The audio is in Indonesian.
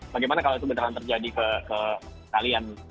bagaimana kalau itu benaran terjadi ke kalian